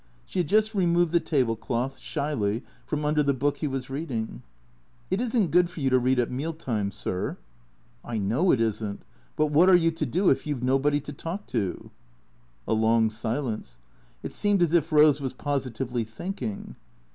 She had just removed the table cloth, shyly, from under the book he was reading. " It is n't good for you to read at meal times, sir." " I know it is n't. But what are you to do if you 've nobodv to talk to?" A long silence. It seemed as if Rose was positively thinking.